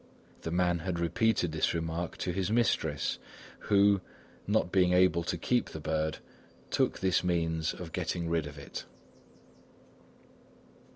The man had repeated this remark to his mistress who, not being able to keep the bird, took this means of getting rid of it.